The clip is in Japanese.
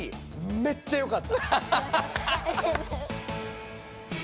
めっちゃよかった！